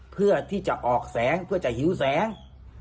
เพื่อที่จะออกแสงเพื่อจะหิวแสง